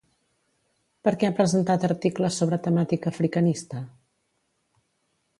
Per què ha presentat articles sobre temàtica africanista?